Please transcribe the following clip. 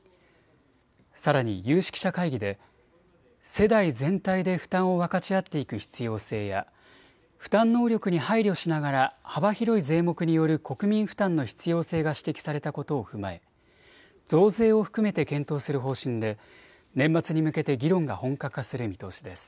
さらに有識者会議で世代全体で負担を分かち合っていく必要性や負担能力に配慮しながら幅広い税目による国民負担の必要性が指摘されたことを踏まえ増税を含めて検討する方針で年末に向けて議論が本格化する見通しです。